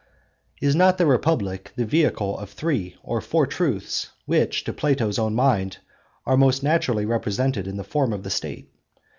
Is not the Republic the vehicle of three or four great truths which, to Plato's own mind, are most naturally represented in the form of the State?